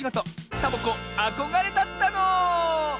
サボ子あこがれだったの！